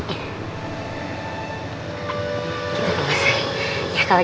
tidak ada masalah